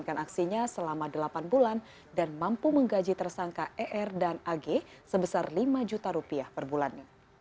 melakukan aksinya selama delapan bulan dan mampu menggaji tersangka er dan ag sebesar lima juta rupiah per bulan